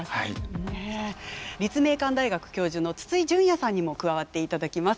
立命館大学教授の筒井淳也さんにも加わっていただきます。